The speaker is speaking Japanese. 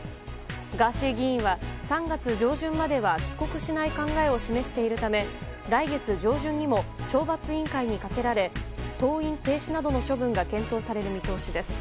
ガーシー議員は３月上旬までは帰国しない考えを示しているため来月上旬にも懲罰委員会にかけられ登院停止などの処分が検討される見通しです。